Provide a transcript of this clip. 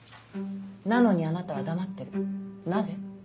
なのにあなたは黙ってるなぜ？